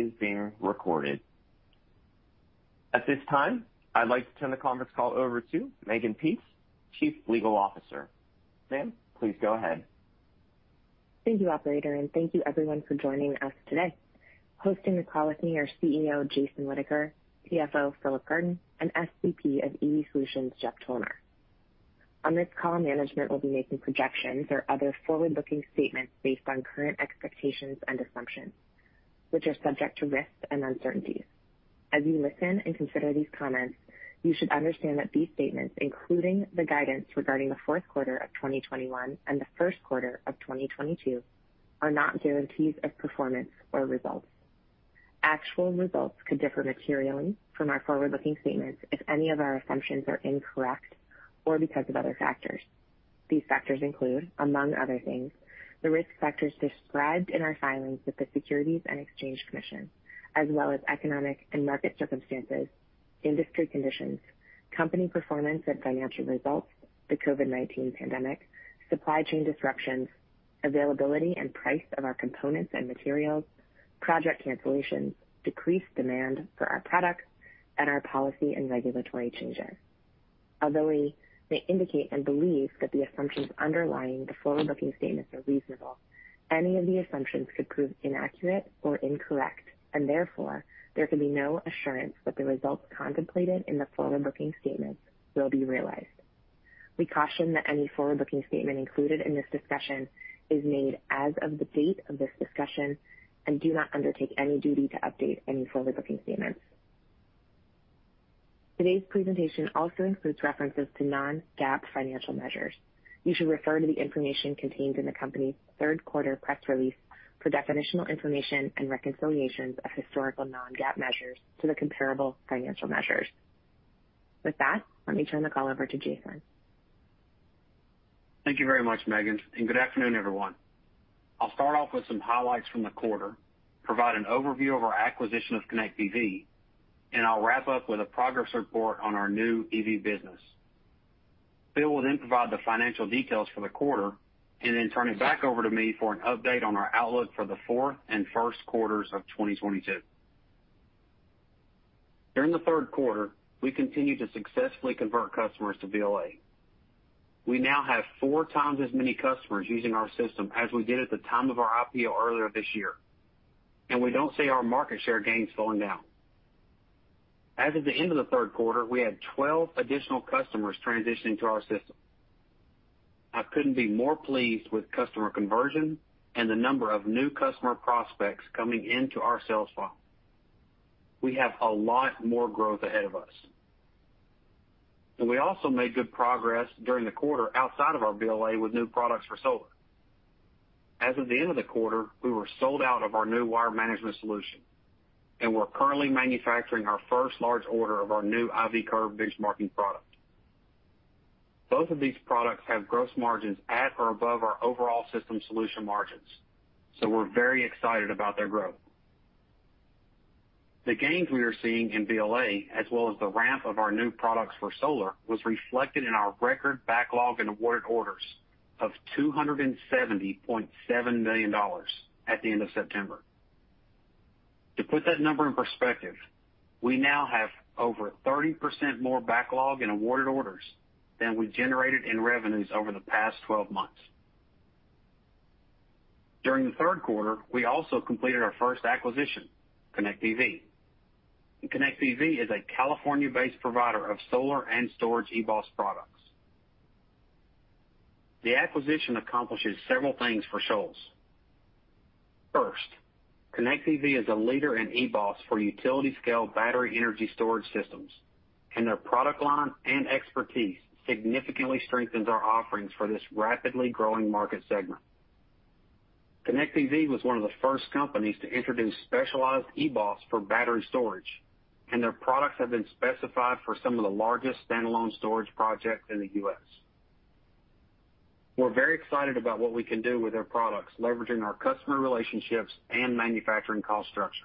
is being recorded. At this time, I'd like to turn the conference call over to Mehgan Peetz, Chief Legal Officer. Ma'am, please go ahead. Thank you, operator, and thank you everyone for joining us today. Hosting the call with me are CEO Jason Whitaker, CFO Philip Garton, and SVP of EV Solutions, Jeff Tolnar. On this call, management will be making projections or other forward-looking statements based on current expectations and assumptions, which are subject to risks and uncertainties. As you listen and consider these comments, you should understand that these statements, including the guidance regarding the fourth quarter of 2021 and the first quarter of 2022, are not guarantees of performance or results. Actual results could differ materially from our forward-looking statements if any of our assumptions are incorrect or because of other factors. These factors include, among other things, the risk factors described in our filings with the Securities and Exchange Commission, as well as economic and market circumstances, industry conditions, company performance and financial results, the COVID-19 pandemic, supply chain disruptions, availability and price of our components and materials, project cancellations, decreased demand for our products, and our policy and regulatory changes. Although we may indicate and believe that the assumptions underlying the forward-looking statements are reasonable, any of the assumptions could prove inaccurate or incorrect, and therefore, there can be no assurance that the results contemplated in the forward-looking statements will be realized. We caution that any forward-looking statement included in this discussion is made as of the date of this discussion and do not undertake any duty to update any forward-looking statements. Today's presentation also includes references to non-GAAP financial measures. You should refer to the information contained in the company's third quarter press release for definitional information and reconciliations of historical non-GAAP measures to the comparable financial measures. With that, let me turn the call over to Jason. Thank you very much, Mehgan, and good afternoon, everyone. I'll start off with some highlights from the quarter, provide an overview of our acquisition of ConnectPV, and I'll wrap up with a progress report on our new EV business. Bill will then provide the financial details for the quarter, and then turn it back over to me for an update on our outlook for the fourth and first quarters of 2022. During the third quarter, we continued to successfully convert customers to BLA. We now have four times as many customers using our system as we did at the time of our IPO earlier this year, and we don't see our market share gains slowing down. As of the end of the third quarter, we had 12 additional customers transitioning to our system. I couldn't be more pleased with customer conversion and the number of new customer prospects coming into our sales funnel. We have a lot more growth ahead of us. We also made good progress during the quarter outside of our BLA with new products for solar. As of the end of the quarter, we were sold out of our new wire management solution, and we're currently manufacturing our first large order of our new IV curve benchmarking product. Both of these products have gross margins at or above our overall system solution margins, so we're very excited about their growth. The gains we are seeing in BLA, as well as the ramp of our new products for solar, was reflected in our record backlog and awarded orders of $270.7 million at the end of September. To put that number in perspective, we now have over 30% more backlog and awarded orders than we generated in revenues over the past 12 months. During the third quarter, we also completed our first acquisition, ConnectPV. ConnectPV is a California-based provider of solar and storage EBOS products. The acquisition accomplishes several things for Shoals. First, ConnectPV is a leader in EBOS for utility-scale battery energy storage systems, and their product line and expertise significantly strengthens our offerings for this rapidly growing market segment. ConnectPV was one of the first companies to introduce specialized EBOS for battery storage, and their products have been specified for some of the largest standalone storage projects in the U.S. We're very excited about what we can do with their products, leveraging our customer relationships and manufacturing cost structure.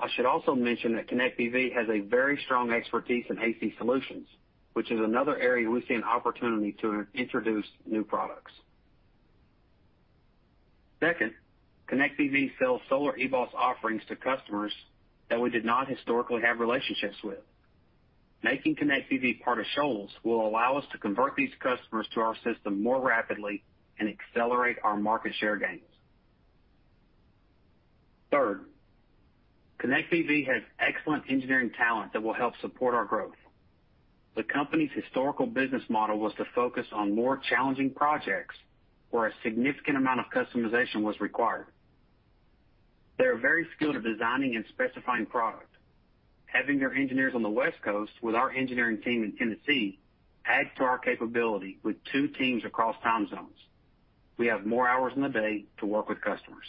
I should also mention that ConnectPV has a very strong expertise in AC solutions, which is another area we see an opportunity to introduce new products. Second, ConnectPV sells solar EBOS offerings to customers that we did not historically have relationships with. Making ConnectPV part of Shoals will allow us to convert these customers to our system more rapidly and accelerate our market share gains. Third, ConnectPV has excellent engineering talent that will help support our growth. The company's historical business model was to focus on more challenging projects where a significant amount of customization was required. They are very skilled at designing and specifying product. Having their engineers on the West Coast with our engineering team in Tennessee adds to our capability with two teams across time zones. We have more hours in the day to work with customers.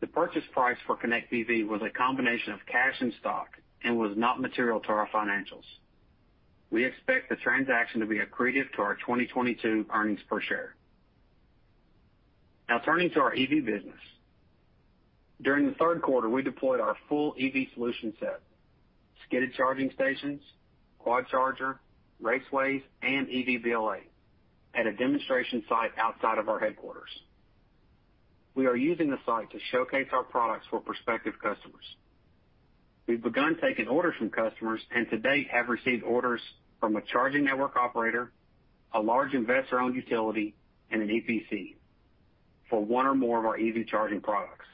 The purchase price for ConnectPV was a combination of cash and stock and was not material to our financials. We expect the transaction to be accretive to our 2022 earnings per share. Now turning to our EV business. During the third quarter, we deployed our full EV solution set, skidded charging stations, Quad Charger, Raceways, and EV BLA at a demonstration site outside of our headquarters. We are using the site to showcase our products for prospective customers. We've begun taking orders from customers, and to date, have received orders from a charging network operator, a large investor-owned utility, and an EPC for one or more of our EV charging products.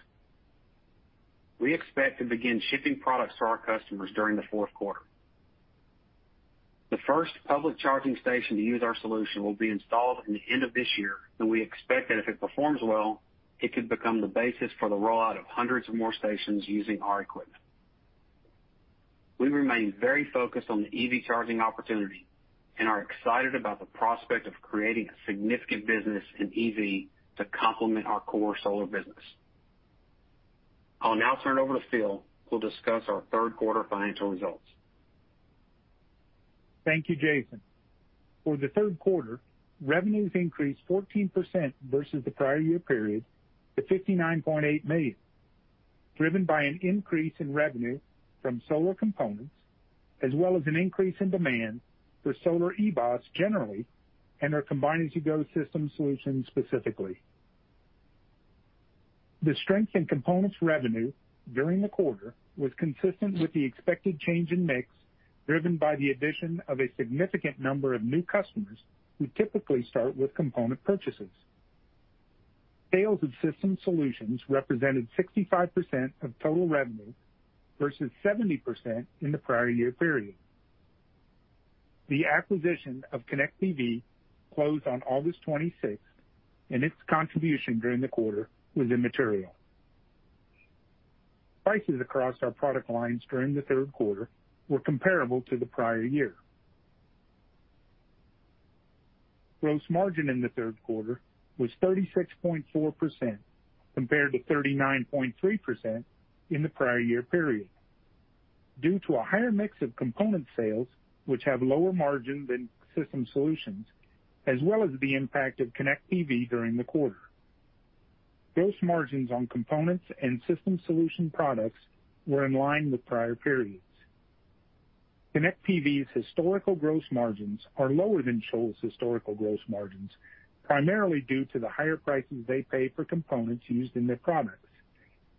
We expect to begin shipping products to our customers during the fourth quarter. The first public charging station to use our solution will be installed at the end of this year, and we expect that if it performs well, it could become the basis for the rollout of hundreds of more stations using our equipment. We remain very focused on the EV charging opportunity and are excited about the prospect of creating a significant business in EV to complement our core solar business. I'll now turn it over to Phil, who'll discuss our third quarter financial results. Thank you, Jason. For the third quarter, revenues increased 14% versus the prior year period to $59.8 million, driven by an increase in revenue from solar components, as well as an increase in demand for solar EBOS generally, and our combine-as-you-go system solutions specifically. The strength in components revenue during the quarter was consistent with the expected change in mix, driven by the addition of a significant number of new customers who typically start with component purchases. Sales of system solutions represented 65% of total revenue versus 70% in the prior year period. The acquisition of ConnectPV closed on August twenty-sixth, and its contribution during the quarter was immaterial. Prices across our product lines during the third quarter were comparable to the prior year. Gross margin in the third quarter was 36.4% compared to 39.3% in the prior year period due to a higher mix of component sales, which have lower margin than system solutions, as well as the impact of ConnectPV during the quarter. Gross margins on components and system solution products were in line with prior periods. ConnectPV's historical gross margins are lower than Shoals' historical gross margins, primarily due to the higher prices they pay for components used in their products.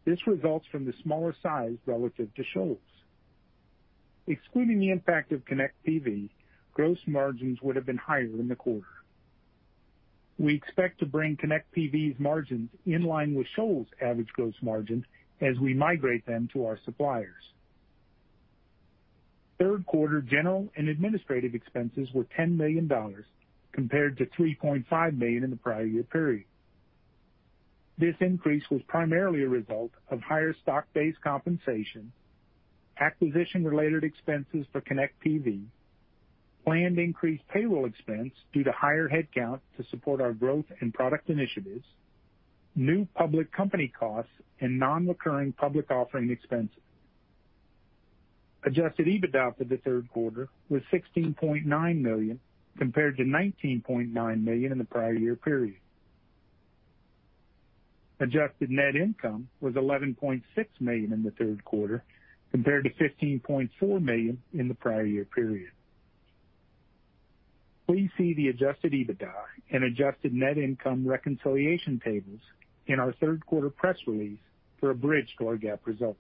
This results from the smaller size relative to Shoals. Excluding the impact of ConnectPV, gross margins would have been higher in the quarter. We expect to bring ConnectPV's margins in line with Shoals' average gross margins as we migrate them to our suppliers. Third quarter general and administrative expenses were $10 million compared to $3.5 million in the prior year period. This increase was primarily a result of higher stock-based compensation, acquisition-related expenses for ConnectPV, planned increased payroll expense due to higher headcount to support our growth and product initiatives, new public company costs, and non-recurring public offering expenses. Adjusted EBITDA for the third quarter was $16.9 million compared to $19.9 million in the prior year period. Adjusted net income was $11.6 million in the third quarter compared to $15.4 million in the prior year period. Please see the adjusted EBITDA and adjusted net income reconciliation tables in our third quarter press release for our GAAP results.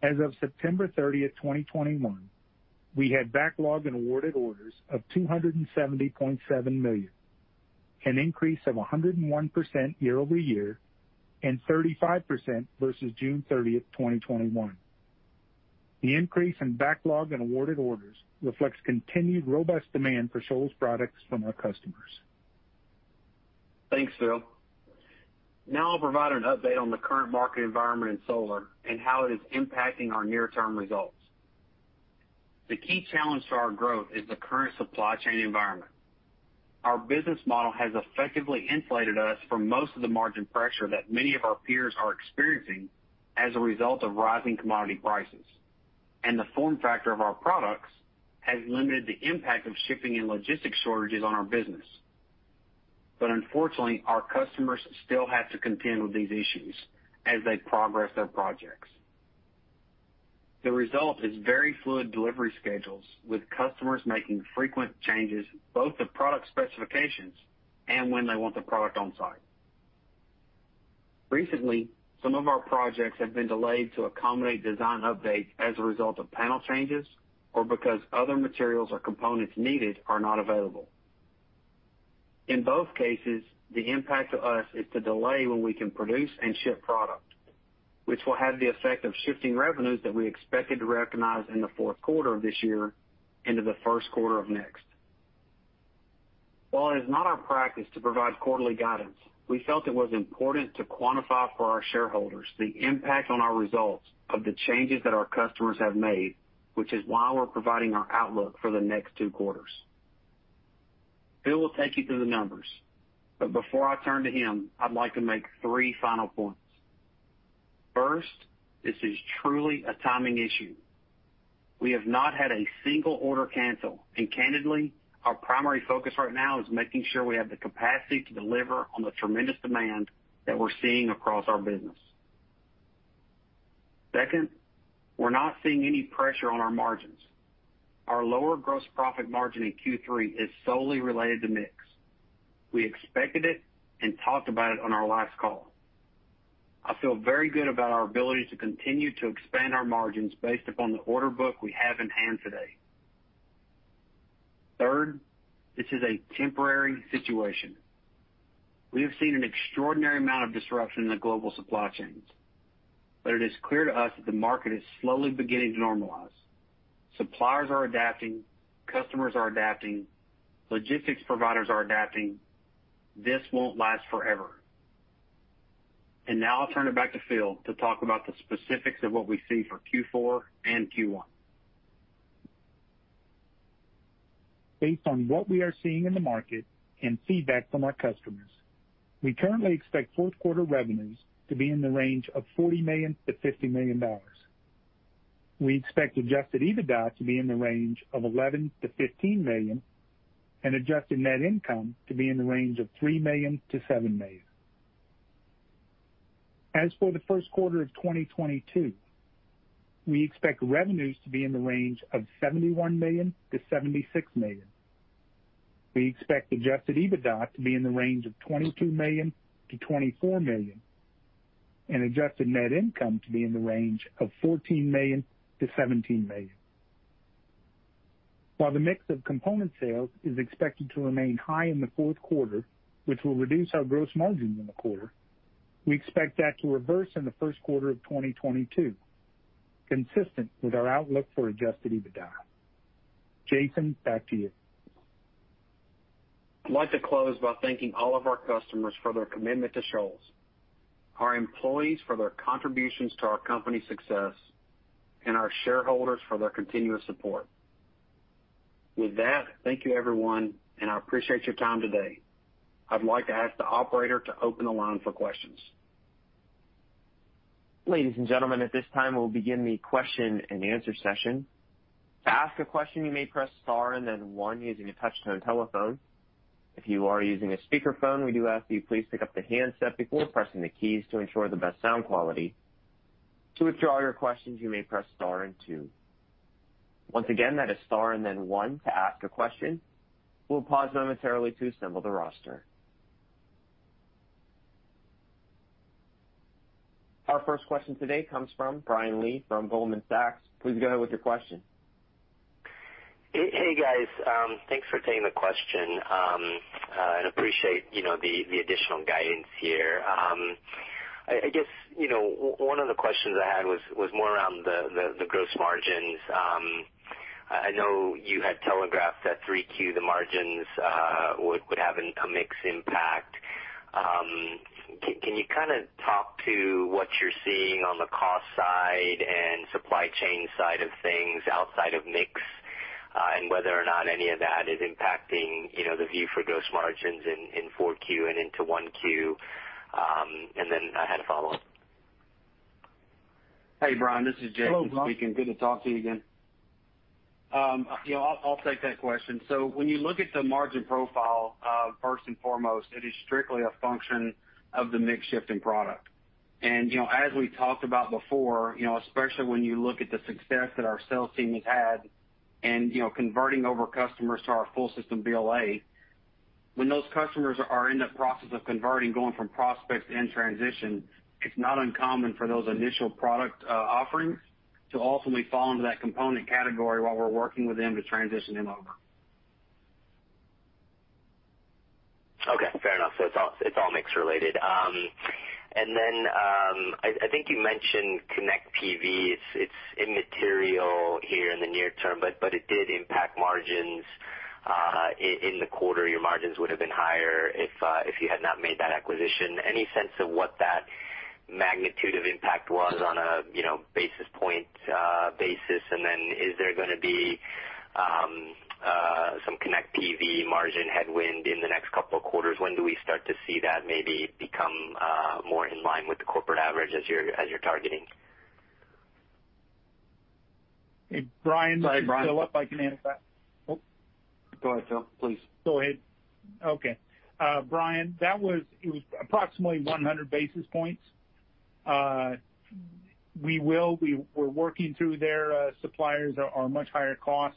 As of September 30, 2021, we had backlog and awarded orders of $270.7 million, an increase of 101% year-over-year, and 35% versus June 30, 2021. The increase in backlog and awarded orders reflects continued robust demand for Shoals products from our customers. Thanks, Phil. Now I'll provide an update on the current market environment in solar and how it is impacting our near-term results. The key challenge to our growth is the current supply chain environment. Our business model has effectively insulated us from most of the margin pressure that many of our peers are experiencing as a result of rising commodity prices, and the form factor of our products has limited the impact of shipping and logistics shortages on our business. Unfortunately, our customers still have to contend with these issues as they progress their projects. The result is very fluid delivery schedules with customers making frequent changes, both to product specifications and when they want the product on-site. Recently, some of our projects have been delayed to accommodate design updates as a result of panel changes or because other materials or components needed are not available. In both cases, the impact to us is the delay when we can produce and ship product, which will have the effect of shifting revenues that we expected to recognize in the fourth quarter of this year into the first quarter of next. While it is not our practice to provide quarterly guidance, we felt it was important to quantify for our shareholders the impact on our results of the changes that our customers have made, which is why we're providing our outlook for the next two quarters. Phil will take you through the numbers, but before I turn to him, I'd like to make three final points. First, this is truly a timing issue. We have not had a single order cancel. Candidly, our primary focus right now is making sure we have the capacity to deliver on the tremendous demand that we're seeing across our business. Second, we're not seeing any pressure on our margins. Our lower gross profit margin in Q3 is solely related to mix. We expected it and talked about it on our last call. I feel very good about our ability to continue to expand our margins based upon the order book we have in hand today. Third, this is a temporary situation. We have seen an extraordinary amount of disruption in the global supply chains, but it is clear to us that the market is slowly beginning to normalize. Suppliers are adapting, customers are adapting, logistics providers are adapting. This won't last forever. Now I'll turn it back to Phil to talk about the specifics of what we see for Q4 and Q1. Based on what we are seeing in the market and feedback from our customers, we currently expect fourth quarter revenues to be in the range of $40 million-$50 million. We expect Adjusted EBITDA to be in the range of $11 million-$15 million and Adjusted net income to be in the range of $3 million-$7 million. As for the first quarter of 2022, we expect revenues to be in the range of $71 million-$76 million. We expect Adjusted EBITDA to be in the range of $22 million-$24 million and Adjusted net income to be in the range of $14 million-$17 million. While the mix of component sales is expected to remain high in the fourth quarter, which will reduce our gross margin in the quarter, we expect that to reverse in the first quarter of 2022, consistent with our outlook for Adjusted EBITDA. Jason, back to you. I'd like to close by thanking all of our customers for their commitment to Shoals, our employees for their contributions to our company's success, and our shareholders for their continuous support. With that, thank you, everyone, and I appreciate your time today. I'd like to ask the operator to open the line for questions. Ladies and gentlemen, at this time, we'll begin the question-and-answer session. To ask a question, you may press star and then 1 using a touch-tone telephone. If you are using a speakerphone, we do ask that you please pick up the handset before pressing the keys to ensure the best sound quality. To withdraw your question, you may press star and 2. Once again, that is star and then 1 to ask a question. We'll pause momentarily to assemble the roster. Our first question today comes from Brian Lee from Goldman Sachs. Please go ahead with your question. Hey, guys. Thanks for taking the question, and appreciate, you know, the additional guidance here. I guess, you know, one of the questions I had was more around the gross margins. I know you had telegraphed that 3Q, the margins would have a mix impact. Can you kinda talk to what you're seeing on the cost side and supply chain side of things outside of mix, and whether or not any of that is impacting, you know, the view for gross margins in 4Q and into 1Q? I had a follow-up. Hey, Brian, this is Jason speaking. Hello, Brian. Good to talk to you again. I'll take that question. When you look at the margin profile, first and foremost, it is strictly a function of the mix shift in product. You know, as we talked about before, you know, especially when you look at the success that our sales team has had and, you know, converting over customers to our full system BLA, when those customers are in the process of converting, going from prospects to in transition, it's not uncommon for those initial product offerings to ultimately fall into that component category while we're working with them to transition them over. Okay, fair enough. It's all mix related. I think you mentioned ConnectPV. It's immaterial here in the near term, but it did impact margins in the quarter. Your margins would have been higher if you had not made that acquisition. Any sense of what that magnitude of impact was on a basis point basis? Is there gonna be some ConnectPV margin headwind in the next couple of quarters? When do we start to see that maybe become more in line with the corporate average as you're targeting? Hey, Brian, this is Philip. Sorry, Brian. I can answer that. Oh. Go ahead, Phil, please. Okay. Brian, it was approximately 100 basis points. We're working through their suppliers are much higher cost,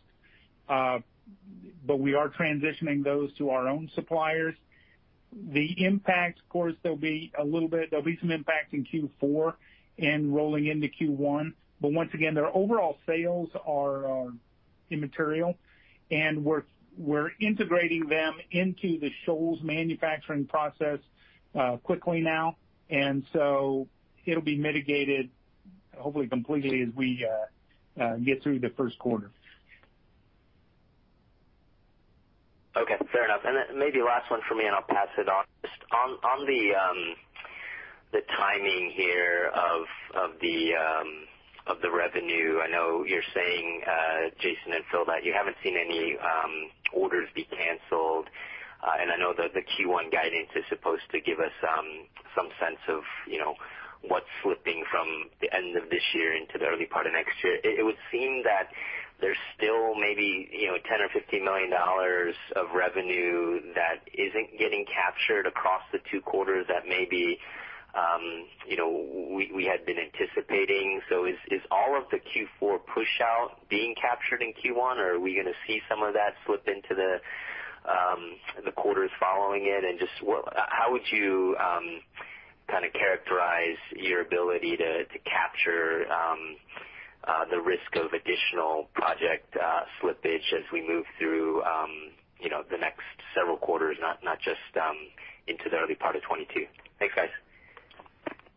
but we are transitioning those to our own suppliers. The impact, of course, there'll be a little bit. There'll be some impact in Q4 and rolling into Q1. Once again, their overall sales are immaterial, and we're integrating them into the Shoals manufacturing process quickly now. It'll be mitigated, hopefully, completely as we get through the first quarter. Okay, fair enough. Maybe last one for me, and I'll pass it on. Just on the timing here of the revenue. I know you're saying, Jason and Phil, that you haven't seen any orders be canceled. I know that the Q1 guidance is supposed to give us some sense of, you know, what's slipping from the end of this year into the early part of next year. It would seem that there's still maybe, you know, $10 million or $15 million of revenue that isn't getting captured across the two quarters that maybe, you know, we had been anticipating. Is all of the Q4 pushout being captured in Q1, or are we gonna see some of that slip into the quarters following it? How would you kind of characterize your ability to capture the risk of additional project slippage as we move through the next several quarters, not just into the early part of 2022? Thanks, guys.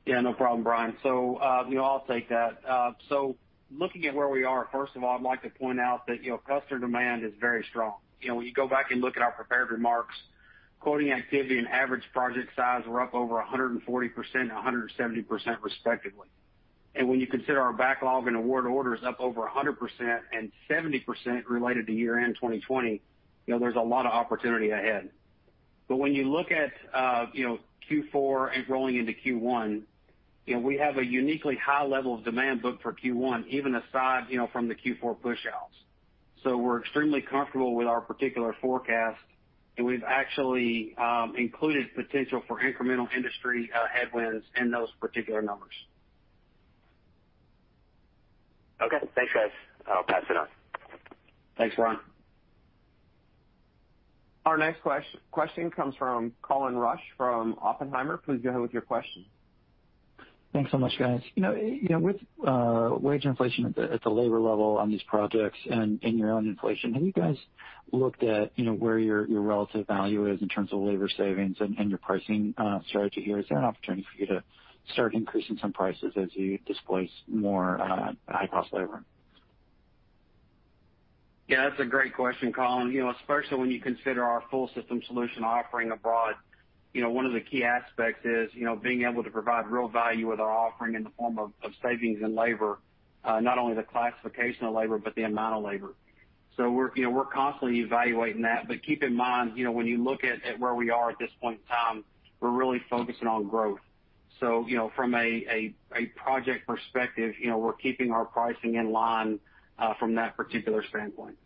Yeah, no problem, Brian. So, you know, I'll take that. So looking at where we are, first of all, I'd like to point out that, you know, customer demand is very strong. You know, when you go back and look at our prepared remarks, quoting activity and average project size were up over 140% and 170% respectively. When you consider our backlog and award orders up over 100% and 70% related to year-end 2020, you know, there's a lot of opportunity ahead. When you look at, you know, Q4 and rolling into Q1, you know, we have a uniquely high level of demand booked for Q1, even aside, you know, from the Q4 pushouts. We're extremely comfortable with our particular forecast, and we've actually included potential for incremental industry headwinds in those particular numbers. Okay. Thanks, guys. I'll pass it on. Thanks, Brian. Our next question comes from Colin Rusch from Oppenheimer. Please go ahead with your question. Thanks so much, guys. You know, with wage inflation at the labor level on these projects and your own inflation, have you guys looked at, you know, where your relative value is in terms of labor savings and your pricing strategy here? Is there an opportunity for you to start increasing some prices as you displace more high-cost labor? Yeah, that's a great question, Colin. You know, especially when you consider our full system solution offering abroad, you know, one of the key aspects is, you know, being able to provide real value with our offering in the form of savings in labor, not only the classification of labor but the amount of labor. We're, you know, we're constantly evaluating that. Keep in mind, you know, when you look at where we are at this point in time, we're really focusing on growth. You know, from a, a project perspective, you know, we're keeping our pricing in line, from that particular standpoint.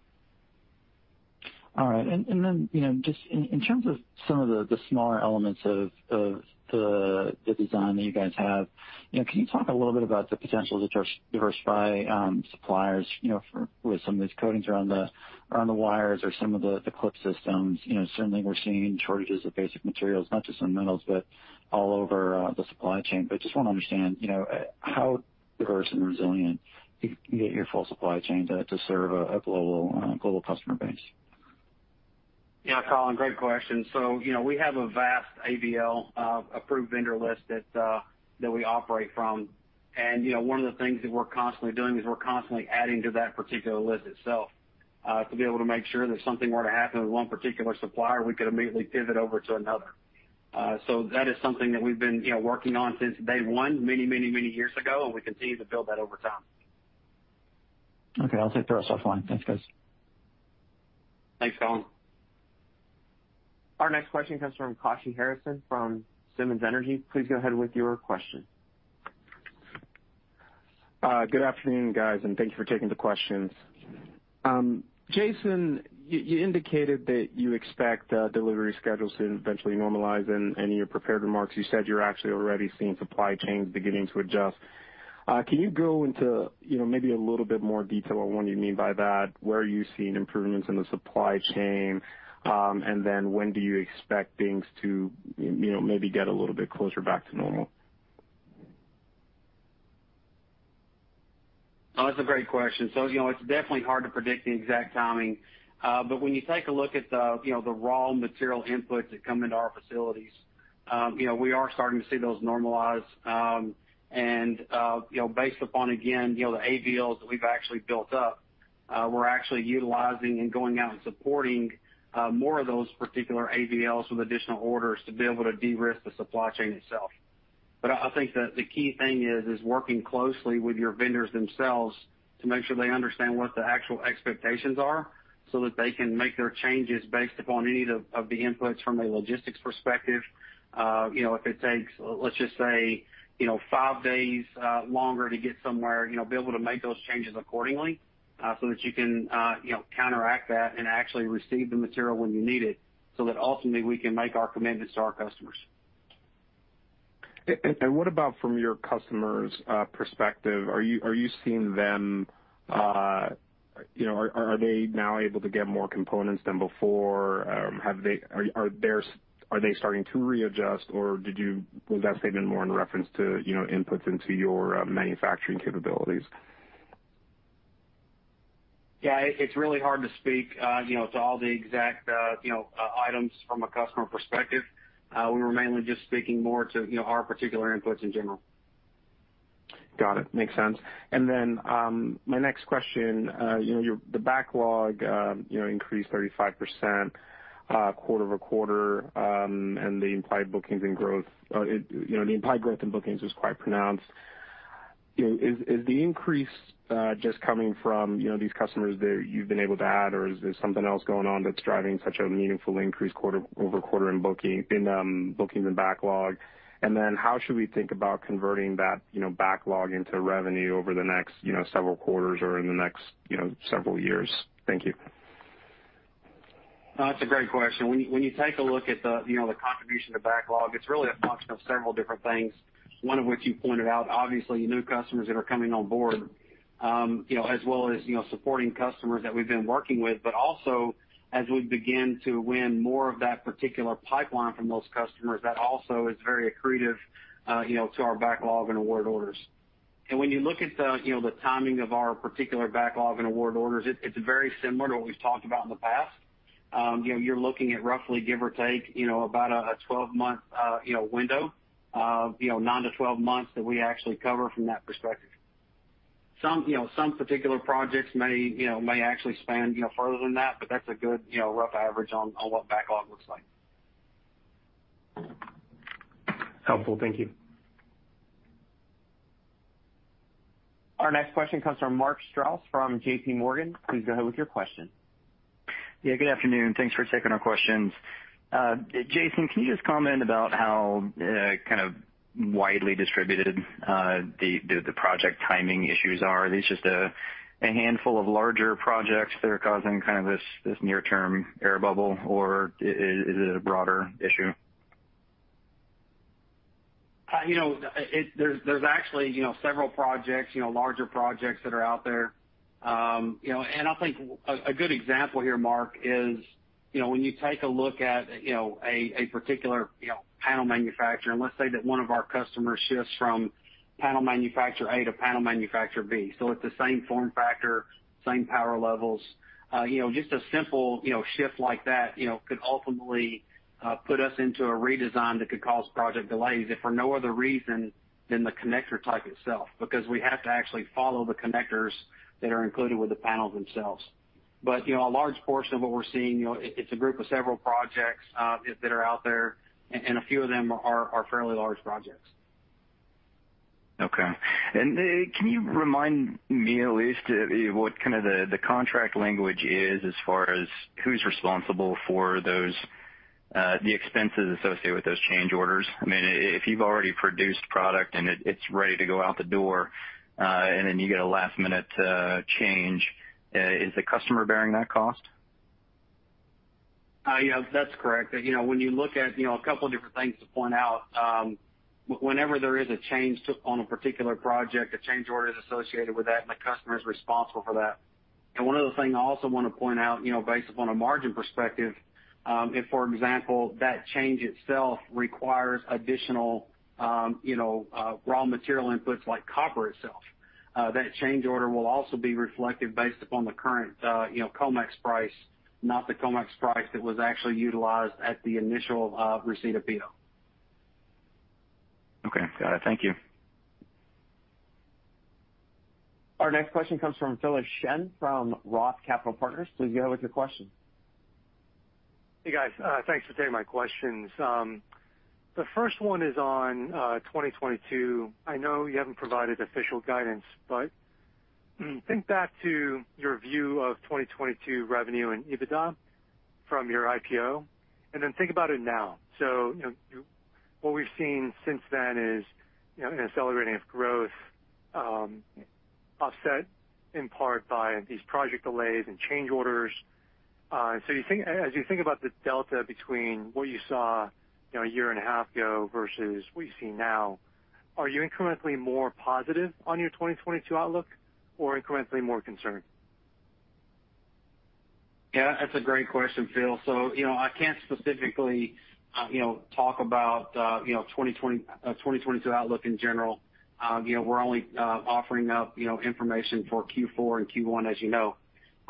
All right. Then, you know, just in terms of some of the smaller elements of the design that you guys have, you know, can you talk a little bit about the potential to diversify suppliers with some of these coatings around the wires or some of the clip systems? You know, certainly we're seeing shortages of basic materials, not just in metals, but all over the supply chain. Just wanna understand, you know, how diverse and resilient you get your full supply chain to serve a global customer base. Yeah, Colin, great question. You know, we have a vast AVL approved vendor list that we operate from. You know, one of the things that we're constantly doing is constantly adding to that particular list itself to be able to make sure that if something were to happen with one particular supplier, we could immediately pivot over to another. That is something that we've been working on since day one many, many, many years ago, and we continue to build that over time. Okay. I'll take the rest offline. Thanks, guys. Thanks, Colin. Our next question comes from Kashy Harrison from Piper Sandler. Please go ahead with your question. Good afternoon, guys, and thank you for taking the questions. Jason, you indicated that you expect delivery schedules to eventually normalize. In your prepared remarks, you said you're actually already seeing supply chains beginning to adjust. Can you go into, you know, maybe a little bit more detail on what you mean by that? Where are you seeing improvements in the supply chain? When do you expect things to, you know, maybe get a little bit closer back to normal? Oh, that's a great question. You know, it's definitely hard to predict the exact timing. But when you take a look at the raw material inputs that come into our facilities, you know, we are starting to see those normalize. You know, based upon, again, you know, the AVLs that we've actually built up, we're actually utilizing and going out and supporting more of those particular AVLs with additional orders to be able to de-risk the supply chain itself. But I think that the key thing is working closely with your vendors themselves to make sure they understand what the actual expectations are, so that they can make their changes based upon any of the inputs from a logistics perspective. You know, if it takes, let's just say, you know, five days longer to get somewhere, you know, be able to make those changes accordingly, so that you can, you know, counteract that and actually receive the material when you need it, so that ultimately we can make our commitments to our customers. What about from your customers' perspective? Are you seeing them, you know, are they now able to get more components than before? Are they starting to readjust, or was that statement more in reference to, you know, inputs into your manufacturing capabilities? Yeah. It's really hard to speak, you know, to all the exact, you know, items from a customer perspective. We were mainly just speaking more to, you know, our particular inputs in general. Got it. Makes sense. My next question. You know, the backlog, you know, increased 35%, quarter over quarter, and the implied bookings and growth, it, you know, the implied growth in bookings was quite pronounced. Is the increase just coming from, you know, these customers that you've been able to add, or is there something else going on that's driving such a meaningful increase quarter over quarter in bookings and backlog? How should we think about converting that, you know, backlog into revenue over the next, you know, several quarters or in the next, you know, several years? Thank you. That's a great question. When you take a look at the, you know, the contribution to backlog, it's really a function of several different things, one of which you pointed out, obviously, new customers that are coming on board, you know, as well as, you know, supporting customers that we've been working with, but also as we begin to win more of that particular pipeline from those customers, that also is very accretive, you know, to our backlog and award orders. When you look at the, you know, the timing of our particular backlog and award orders, it's very similar to what we've talked about in the past. You know, you're looking at roughly give or take, you know, about a 12-month, you know, window of 9-12 months that we actually cover from that perspective. Some, you know, some particular projects may, you know, may actually span, you know, further than that, but that's a good, you know, rough average on what backlog looks like. Helpful. Thank you. Our next question comes from Mark Strouse from JPMorgan. Please go ahead with your question. Yeah, good afternoon. Thanks for taking our questions. Jason, can you just comment about how kind of widely distributed the project timing issues are? Are these just a handful of larger projects that are causing kind of this near-term air bubble, or is it a broader issue? There's actually several projects, you know, larger projects that are out there. I think a good example here, Mark, is when you take a look at a particular panel manufacturer, and let's say that one of our customers shifts from panel manufacturer A to panel manufacturer B, so it's the same form factor, same power levels. Just a simple shift like that could ultimately put us into a redesign that could cause project delays if for no other reason than the connector type itself, because we have to actually follow the connectors that are included with the panels themselves. You know, a large portion of what we're seeing, you know, it's a group of several projects that are out there, and a few of them are fairly large projects. Okay. Can you remind me at least what kind of contract language is as far as who's responsible for those, the expenses associated with those change orders? I mean, if you've already produced product and it's ready to go out the door, and then you get a last-minute change, is the customer bearing that cost? Yeah, that's correct. You know, when you look at, you know, a couple different things to point out, whenever there is a change on a particular project, a change order is associated with that, and the customer is responsible for that. One other thing I also wanna point out, you know, based upon a margin perspective, if, for example, that change itself requires additional, you know, raw material inputs like copper itself, that change order will also be reflected based upon the current, you know, COMEX price, not the COMEX price that was actually utilized at the initial receipt of PO. Okay. Got it. Thank you. Our next question comes from Philip Shen from Roth Capital Partners. Please go ahead with your question. Hey, guys. Thanks for taking my questions. The first one is on 2022. I know you haven't provided official guidance, but think back to your view of 2022 revenue and EBITDA from your IPO, and then think about it now. You know, what we've seen since then is, you know, an accelerating of growth, offset in part by these project delays and change orders. As you think about the delta between what you saw, you know, a year and a half ago versus what you see now, are you incrementally more positive on your 2022 outlook or incrementally more concerned? Yeah, that's a great question, Phil. You know, I can't specifically, you know, talk about, you know, 2022 outlook in general. You know, we're only, offering up, you know, information for Q4 and Q1, as you know.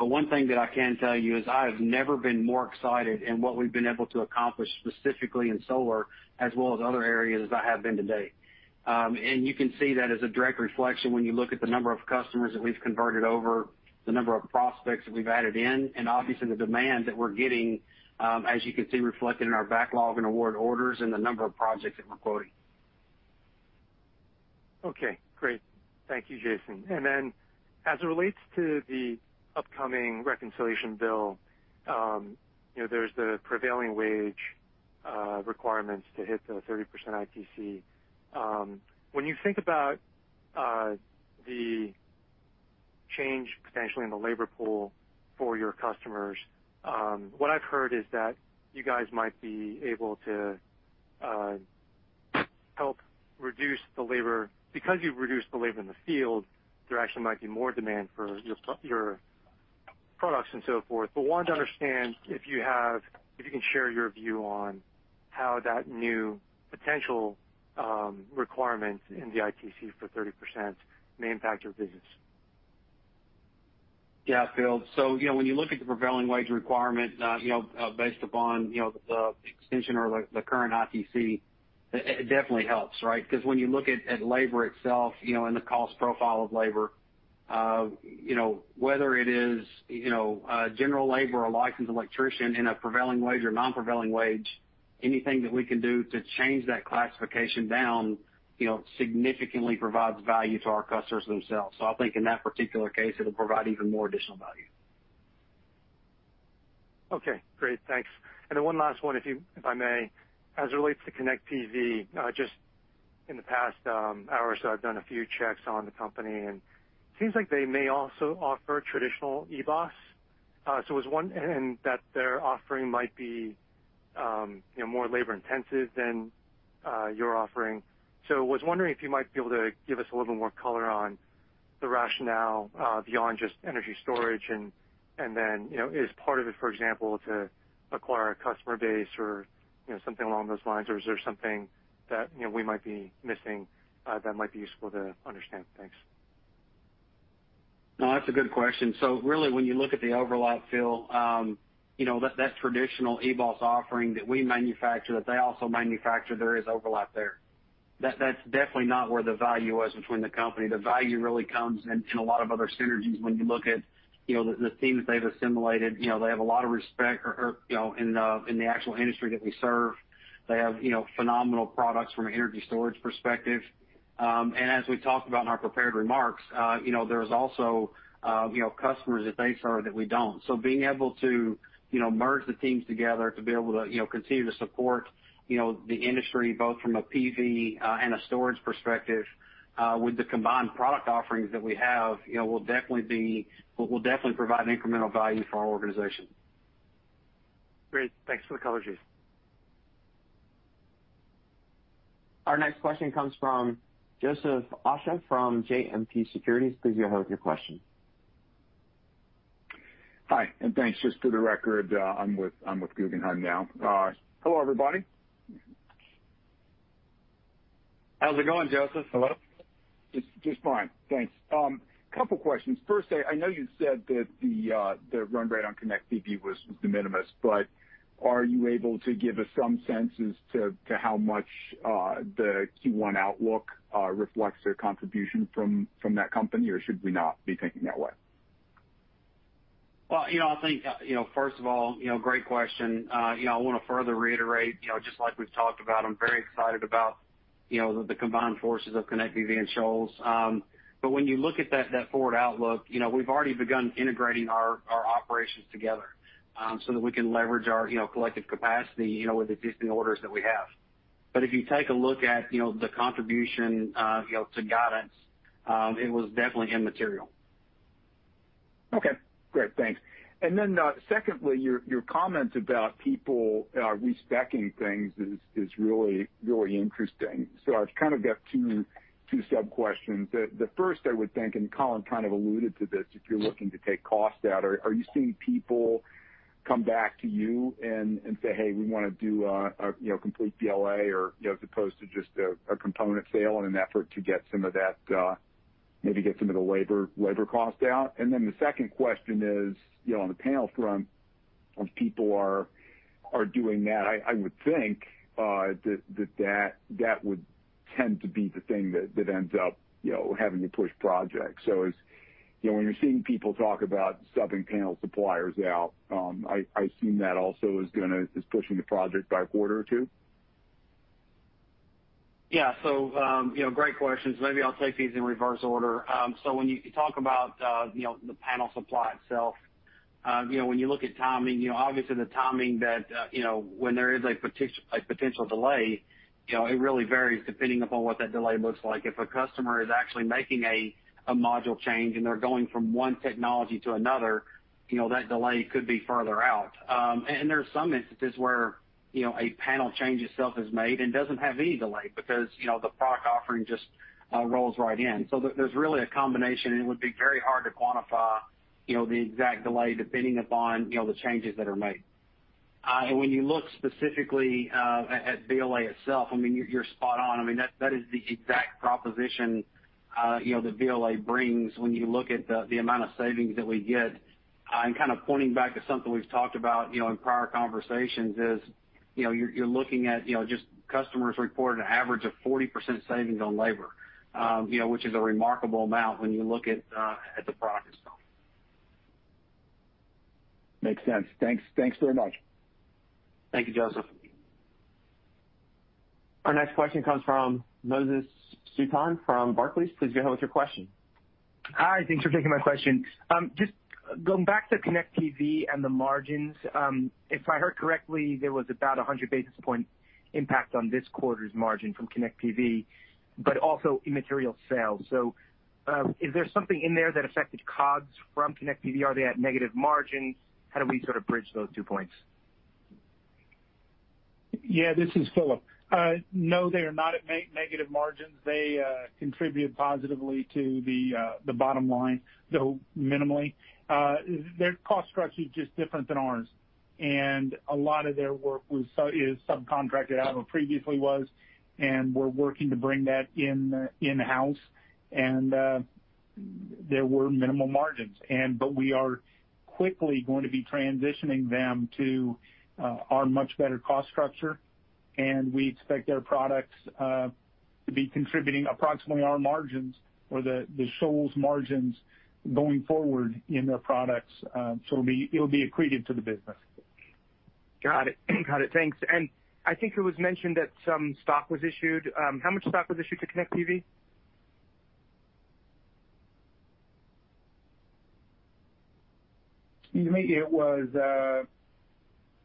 One thing that I can tell you is I have never been more excited in what we've been able to accomplish specifically in solar as well as other areas as I have been to date. You can see that as a direct reflection when you look at the number of customers that we've converted over, the number of prospects that we've added in, and obviously the demand that we're getting, as you can see reflected in our backlog and award orders and the number of projects that we're quoting. Okay, great. Thank you, Jason. As it relates to the upcoming reconciliation bill, you know, there's the prevailing wage requirements to hit the 30% ITC. When you think about the change potentially in the labor pool for your customers, what I've heard is that you guys might be able to help reduce the labor. Because you've reduced the labor in the field, there actually might be more demand for your products and so forth. But wanted to understand if you can share your view on how that new potential requirement in the ITC for 30% may impact your business. Yeah, Phil. You know, when you look at the prevailing wage requirement, based upon the extension or the current ITC, it definitely helps, right? Because when you look at labor itself, you know, and the cost profile of labor, you know, whether it is general labor or licensed electrician in a prevailing wage or non-prevailing wage, anything that we can do to change that classification down significantly provides value to our customers themselves. I think in that particular case, it'll provide even more additional value. Okay, great. Thanks. Then one last one, if I may. As it relates to ConnectPV, just in the past hour or so, I've done a few checks on the company, and it seems like they may also offer traditional EBOS. That their offering might be, you know, more labor-intensive than your offering. I was wondering if you might be able to give us a little bit more color on the rationale, beyond just energy storage, and then, you know, is part of it, for example, to acquire a customer base or, you know, something along those lines? Or is there something that, you know, we might be missing, that might be useful to understand? Thanks. No, that's a good question. Really, when you look at the overlap, Phil, you know, that traditional EBOS offering that we manufacture, that they also manufacture, there is overlap there. That's definitely not where the value was between the company. The value really comes in a lot of other synergies when you look at, you know, the teams they've assimilated. You know, they have a lot of respect or you know, in the actual industry that we serve. They have, you know, phenomenal products from an energy storage perspective. As we talked about in our prepared remarks, you know, there's also you know, customers that they serve that we don't. Being able to, you know, merge the teams together to be able to, you know, continue to support, you know, the industry both from a PV and a storage perspective with the combined product offerings that we have, you know, will definitely provide incremental value for our organization. Great. Thanks for the color, Jason. Our next question comes from Joseph Osha from JMP Securities. Please go ahead with your question. Hi, thanks. Just for the record, I'm with Guggenheim now. Hello, everybody. How's it going, Joseph? Hello? Just fine. Thanks. Couple questions. First, I know you said that the run rate on ConnectPV was de minimis, but are you able to give us some sense as to how much the Q1 outlook reflects their contribution from that company, or should we not be thinking that way? Well, you know, I think, you know, first of all, you know, great question. I wanna further reiterate, you know, just like we've talked about, I'm very excited about, you know, the combined forces of ConnectPV and Shoals. But when you look at that forward outlook, you know, we've already begun integrating our operations together, so that we can leverage our, you know, collective capacity, you know, with existing orders that we have. If you take a look at, you know, the contribution, you know, to guidance, it was definitely immaterial. Okay. Great. Thanks. Secondly, your comment about people respeccing things is really interesting. I've kind of got two sub-questions. The first I would think, and Colin kind of alluded to this, if you're looking to take costs out, are you seeing people come back to you and say, "Hey, we wanna do a you know complete BLA or you know as opposed to just a component sale in an effort to get some of that maybe get some of the labor costs out?" The second question is, you know, on the panel front, if people are doing that, I would think that would tend to be the thing that ends up you know having to push projects. As you know, when you're seeing people talk about subbing panel suppliers out, I assume that also is pushing the project by a quarter or two. Yeah. You know, great questions. Maybe I'll take these in reverse order. When you talk about, you know, the panel supply itself, you know, when you look at timing, you know, obviously the timing that, you know, when there is a potential delay, you know, it really varies depending upon what that delay looks like. If a customer is actually making a module change and they're going from one technology to another, you know, that delay could be further out. There are some instances where, you know, a panel change itself is made and doesn't have any delay because, you know, the product offering just, rolls right in. There, there's really a combination, and it would be very hard to quantify, you know, the exact delay depending upon, you know, the changes that are made. When you look specifically at BLA itself, I mean, you're spot on. I mean, that is the exact proposition, you know, that BLA brings when you look at the amount of savings that we get. Kind of pointing back to something we've talked about, you know, in prior conversations is, you know, you're looking at, you know, just customers reported an average of 40% savings on labor, you know, which is a remarkable amount when you look at the product itself. Makes sense. Thanks. Thanks very much. Thank you, Joseph. Our next question comes from Moses Sutton from Barclays. Please go ahead with your question. Hi. Thanks for taking my question. Just going back to ConnectPV and the margins, if I heard correctly, there was about 100 basis points impact on this quarter's margin from ConnectPV, but also immaterial sales. Is there something in there that affected COGS from ConnectPV? Are they at negative margins? How do we sort of bridge those two points? Yeah, this is Philip. No, they are not at negative margins. They contribute positively to the bottom line, though minimally. Their cost structure is just different than ours. A lot of their work is subcontracted out or previously was, and we're working to bring that in-house. There were minimal margins, but we are quickly going to be transitioning them to our much better cost structure. We expect their products to be contributing approximately our margins or the Shoals margins going forward in their products. It'll be accretive to the business. Got it. Thanks. I think it was mentioned that some stock was issued. How much stock was issued to ConnectPV? It was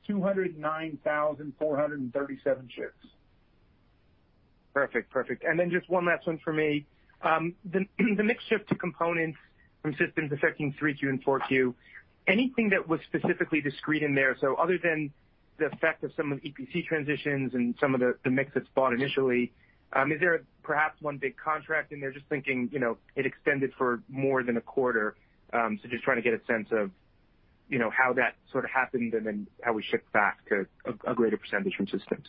209,437 shares. Perfect. Perfect. Just one last one for me. The mix shift to components from systems affecting 3Q and 4Q, anything that was specifically discrete in there? Other than the effect of some of EPC transitions and some of the mix that's bought initially, is there perhaps one big contract in there just thinking, you know, it extended for more than a quarter? Just trying to get a sense of, you know, how that sort of happened and then how we shift back to a greater percentage from systems.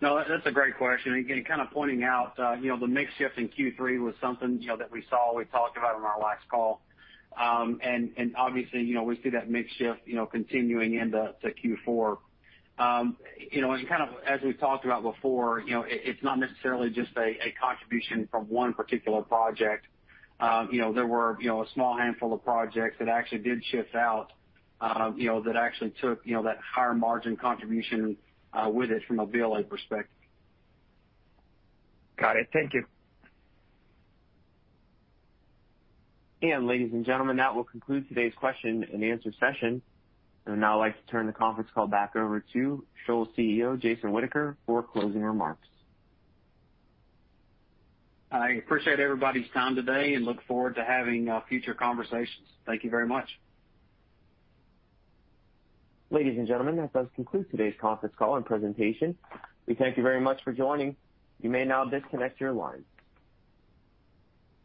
No, that's a great question. Again, kind of pointing out, you know, the mix shift in Q3 was something, you know, that we saw, we talked about on our last call. And obviously, you know, we see that mix shift, you know, continuing into Q4. You know, and kind of as we talked about before, you know, it's not necessarily just a contribution from one particular project. You know, there were, you know, a small handful of projects that actually did shift out, you know, that actually took, you know, that higher margin contribution with it from a BOM perspective. Got it. Thank you. Ladies and gentlemen, that will conclude today's question-and-answer session. I would now like to turn the conference call back over to Shoals CEO, Jason Whitaker, for closing remarks. I appreciate everybody's time today and look forward to having future conversations. Thank you very much. Ladies and gentlemen, that does conclude today's conference call and presentation. We thank you very much for joining. You may now disconnect your lines.